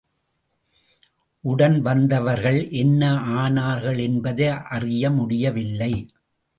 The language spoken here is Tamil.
உடன் வந்தவர்கள் என்ன ஆனார்கள் என்பதை அறிய முடியவில்லை.